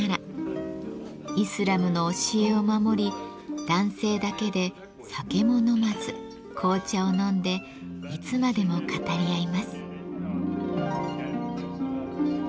イスラムの教えを守り男性だけで酒も飲まず紅茶を飲んでいつまでも語り合います。